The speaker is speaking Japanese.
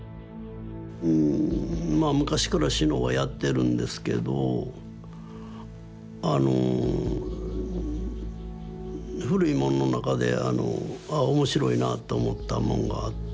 まあ昔から志野はやってるんですけどあの古いもんの中であのああ面白いなって思ったもんがあって。